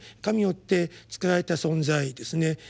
神によって造られた存在ですね。